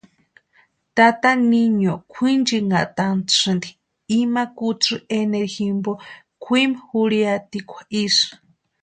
Tata niñuni kwʼinchinhantasïnti ima kutsï enero jimpo, kwimu jurhiatikwa isï.